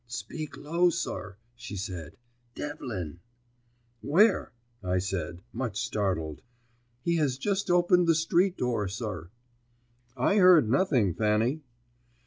"Speak low, sir," she said. "Devlin!" "Where?" I said, much startled. "He has just opened the street door, sir." "I heard nothing, Fanny."